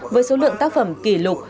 với số lượng tác phẩm kỷ lục